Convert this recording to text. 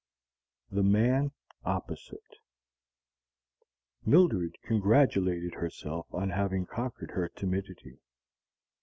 THE MAN OPPOSITE Mildred congratulated herself on having conquered her timidity.